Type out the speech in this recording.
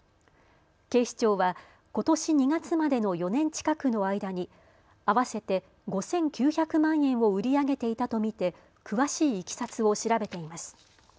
警視庁はことし２月までの４年近くの間に合わせて５９００万円を売り上げていたと見て詳しいいきさつを調べています。